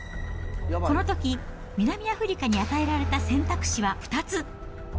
このとき、南アフリカに与えられた選択肢は２つ。